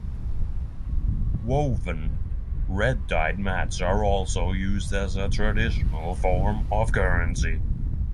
Woven, red-dyed mats are also used as a traditional form of currency.